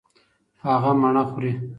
هغه مڼه خوري.